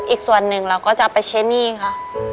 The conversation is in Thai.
อีกส่วนหนึ่งเราก็จะไปใช้หนี้ค่ะ